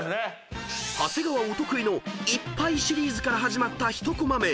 ［長谷川お得意のいっぱいシリーズから始まった１コマ目］